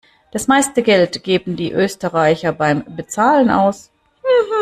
Das meiste Geld geben die Österreicher beim Bezahlen aus.